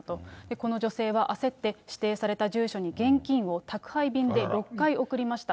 この女性は焦って、指定された住所に現金を宅配便で６回送りました。